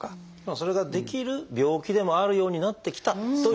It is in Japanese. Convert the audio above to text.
それができる病気でもあるようになってきたということ。